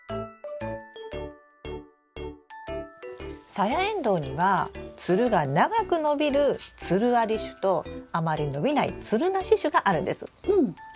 サヤエンドウにはつるが長く伸びるつるあり種とあまり伸びないつるなし種があるんです。